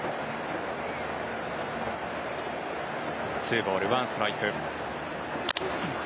２ボール１ストライク。